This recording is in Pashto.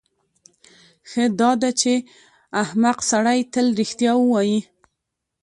ښه داده چې احمق سړی تل رښتیا ووایي.